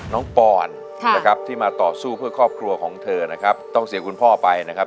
ปอนนะครับที่มาต่อสู้เพื่อครอบครัวของเธอนะครับต้องเสียคุณพ่อไปนะครับ